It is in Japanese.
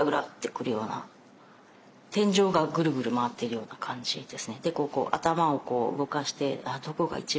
天井がグルグル回ってるような感じですね。